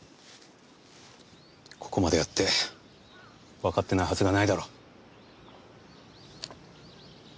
ここまでやってわかってないはずがないだろう。